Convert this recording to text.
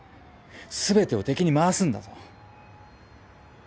全てを敵に回すんだぞ。